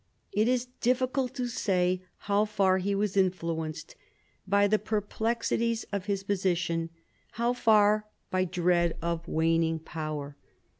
It is difficult to say how far he was influenced by the perplexities of his position, how far by dread of waning power.